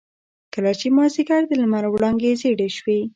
کله چې مازيګر د لمر وړانګې زيړې شوې.